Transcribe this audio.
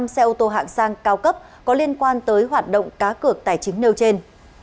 năm xe ô tô hạng sang cao cấp có liên quan tới hoạt động cá cược tài chính nêu trên